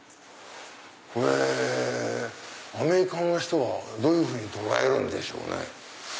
これアメリカの人はどういうふうに捉えるんでしょうね。